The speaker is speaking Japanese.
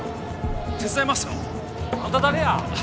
手伝いますよあんた誰や？